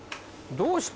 どうした？